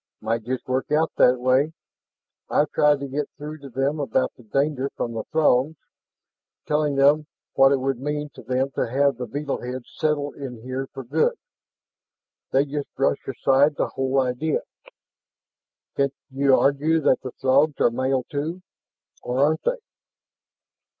"Might just work out that way. I've tried to get through to them about danger from the Throgs, telling them what it would mean to them to have the beetle heads settle in here for good. They just brush aside the whole idea." "Can't you argue that the Throgs are males, too? Or aren't they?"